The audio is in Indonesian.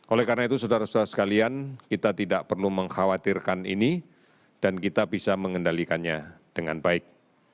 oleh karena itu saudara saudara sekalian kita tidak perlu mengkhawatirkan ini dan kita bisa mengendalikannya dengan baik